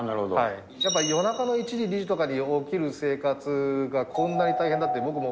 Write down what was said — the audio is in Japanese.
やっぱり夜中の１時、２時とかに起きる生活がこんなに大変だって、僕も。